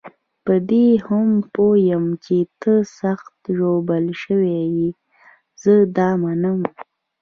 په دې هم پوه یم چې ته سخت ژوبل شوی یې، زه دا منم.